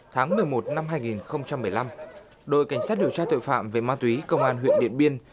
tháng một mươi một năm hai nghìn một mươi năm đội cảnh sát điều tra tội phạm về ma túy công an huyện điện biên